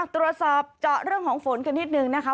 ตรวจสอบเจาะเรื่องของฝนกันนิดนึงนะคะ